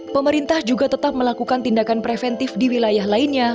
pemerintah juga tetap melakukan tindakan preventif di wilayah lainnya